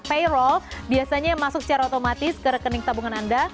payroll biasanya masuk secara otomatis ke rekening tabungan anda